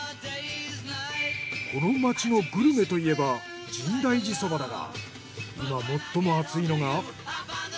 この町のグルメといえば深大寺そばだが今最もアツいのが。